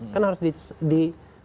kan harus di